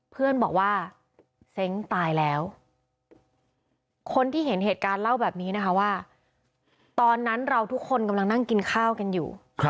เพื่อนบอกว่าเซ้งตายแล้วคนที่เห็นเหตุการณ์เล่าแบบนี้นะคะว่าตอนนั้นเราทุกคนกำลังนั่งกินข้าวกันอยู่